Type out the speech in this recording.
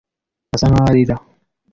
asa nkaho arira.